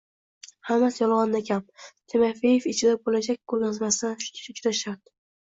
Hammasi yolgʻondakam, Timofeev ichida boʻlajak koʻrgazmasidan juda shod.